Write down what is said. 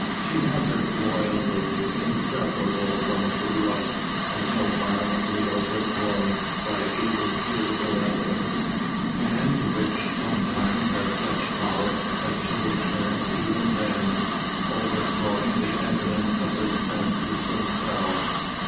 She had that loyal belief inseparable from true love until violently overthrown by irrefutable evidence, and which sometimes has such power as to return even then, overthrowing the evidence of the senses themselves.